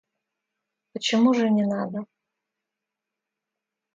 Почему же не надо?